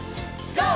ＧＯ！